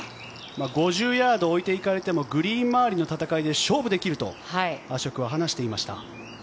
５０ヤード置いていかれてもグリーン周りの戦いで勝負できるとアショクは話していました。